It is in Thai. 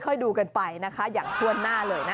ค่อยดูกันไปนะคะอย่างท่วนหน้าเลยนะ